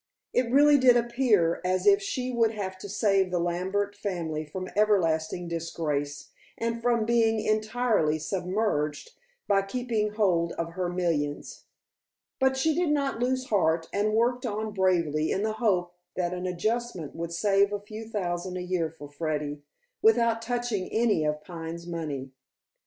It really did appear as if she would have to save the Lambert family from ever lasting disgrace, and from being entirely submerged, by keeping hold of her millions. But she did not lose heart, and worked on bravely in the hope that an adjustment would save a few thousand a year for Freddy, without touching any of Pine's money.